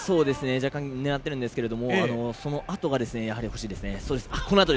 若干狙っているんですがそのあとが欲しいですね。